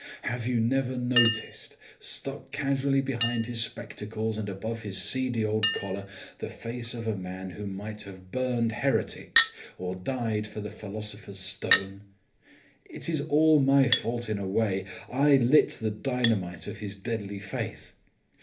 Have you never noticed, stuck casually behind his spectacles and above his seedy old collar, the face of a man who might have burned heretics, or died for the philosopher's stone? It is all my fault, in a way: I lit the dynamite of his deadly faith.